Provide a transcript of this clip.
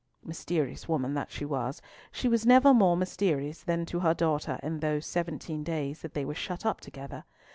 Mysterious woman that she was, she was never more mysterious than to her daughter in those seventeen days that they were shut up together!